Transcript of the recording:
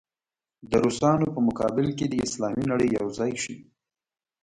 د روسانو په مقابل کې دې اسلامي نړۍ یو ځای شي.